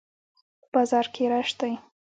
په بازار کښي رش دئ.